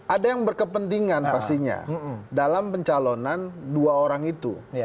ada yang berkepentingan pastinya dalam pencalonan dua orang itu